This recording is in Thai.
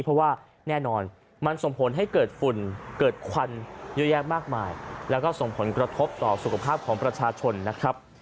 เพราะว่าแน่นอนมันส่งผลให้เกิดฝุ่นเกิดควันเยอะแยะมากมายแล้วก็ส่งผลกระทบต่อสุขภาพของประชาชนนะครับ